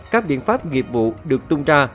các biện pháp nghiệp vụ được tung ra